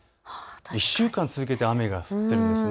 １週間続けて雨が降っているんですね。